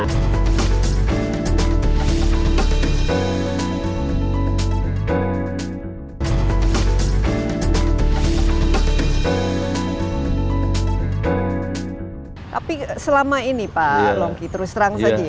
tapi selama ini pak longgi terus terang saja ya